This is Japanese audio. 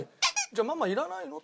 「じゃあママいらないの？」